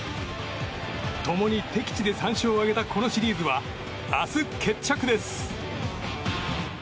共に敵地で３勝を挙げたこのシリーズは明日決着です。